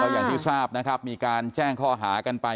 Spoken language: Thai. อย่างที่ทราบนะครับมีการแจ้งข้อหากันไป